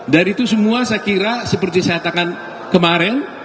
dari itu semua saya kira seperti saya katakan kemarin